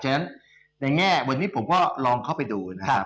ฉะนั้นในแง่วันนี้ผมก็ลองเข้าไปดูนะครับ